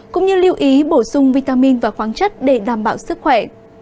cũng như lưu ý bổ sung vitamin và khoáng chất để đảm bảo sức khỏe